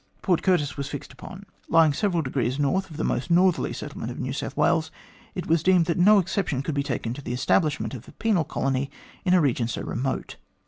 Port Curtis was fixed upon. Lying several degrees north of the most northerly settlement of New South Wales, it was deemed that no exception could be taken to the establishment of a penal colony in a region so remote.